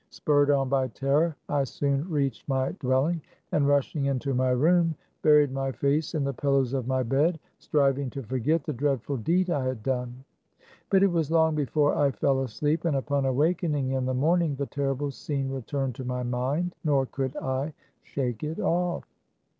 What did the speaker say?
Spurred on by terror, I soon reached my dwelling, and rushing into my room, buried my face in the pillows of my bed, striving to forget the dreadful deed I had done. But it was long before I fell asleep ; and upon awakening in the morning the terrible scene returned to my mind, nor could I shake it off.